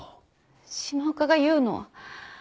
島岡が言うの。